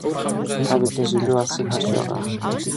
Тэд биднээс илүү алсыг харж байгаа.